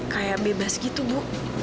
kayak bebas gitu bu